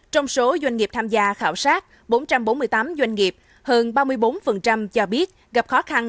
trong số doanh nghiệp tham gia khảo sát bốn trăm bốn mươi tám doanh nghiệp hơn ba mươi bốn cho biết gặp khó khăn